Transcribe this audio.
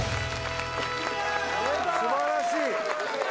素晴らしい！